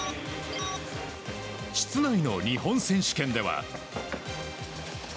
室内の日本選手権では。